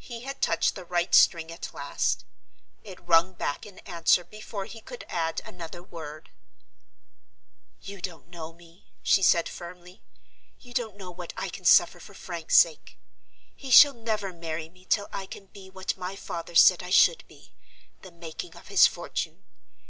He had touched the right string at last. It rung back in answer before he could add another word. "You don't know me," she said, firmly. "You don't know what I can suffer for Frank's sake. He shall never marry me till I can be what my father said I should be—the making of his fortune.